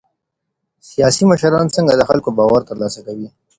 سياسي مشران څنګه د خلګو باور ترلاسه کوي؟